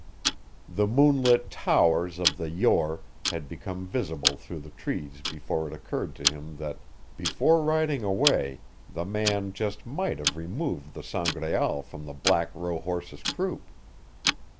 The moonlit "towers" of the Yore had become visible through the trees before it occurred to him that before riding away the man just might have removed the Sangraal from the black rohorse's croup.